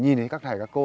nhìn thấy các thầy các cô